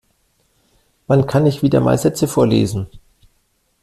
Wann kann ich wieder mal Sätze vorlesen?